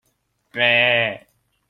Sahngar nih kan ar a seh.